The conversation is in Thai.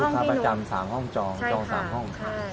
ค้าประจำ๓ห้องจองจอง๓ห้อง